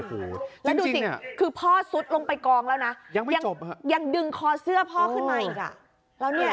แล้วดูสิคือพ่อสุดลงไปกองแล้วนะยังดึงคอเสื้อพ่อขึ้นมาอีกอ่ะ